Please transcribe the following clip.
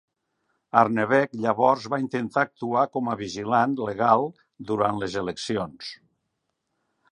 Arnebeck llavors va intentar actuar com a vigilant legal durant les eleccions.